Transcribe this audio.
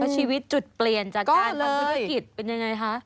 ชีวิตจุดเปลี่ยนจากการทำธุรกิจเป็นยังไงคะ